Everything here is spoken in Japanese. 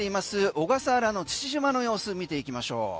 小笠原の父島の様子見ていきましょう。